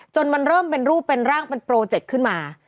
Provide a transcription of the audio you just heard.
มันเริ่มเป็นรูปเป็นร่างเป็นโปรเจคขึ้นมา